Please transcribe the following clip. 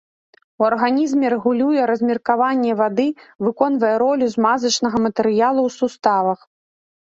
У арганізме рэгулюе размеркаванне вады, выконвае ролю змазачнага матэрыялу ў суставах.